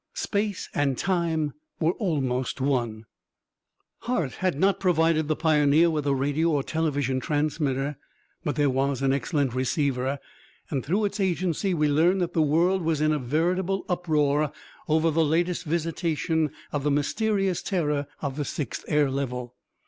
Space and time were almost one. Hart had not provided the Pioneer with a radio or television transmitter, but there was an excellent receiver, and, through its agency we learned that the world was in a veritable uproar over the latest visitation of the mysterious terror of the sixth air level.